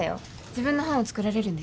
自分の班を作られるんですよね？